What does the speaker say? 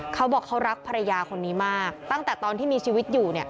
เขาบอกเขารักภรรยาคนนี้มากตั้งแต่ตอนที่มีชีวิตอยู่